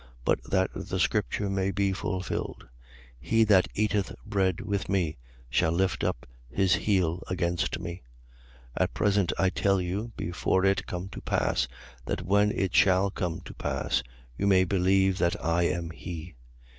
But that the scripture may be fulfilled: He that eateth bread with me shall lift up his heel against me, 13:19. At present I tell you, before it come to pass: that when it shall come to pass, you may believe that I am he.